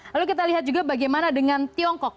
lalu kita lihat juga bagaimana dengan tiongkok